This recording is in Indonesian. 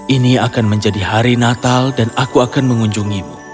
ini akan menjadi hari natal dan aku akan mengunjungimu